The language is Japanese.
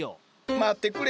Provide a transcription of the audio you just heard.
待ってくれ。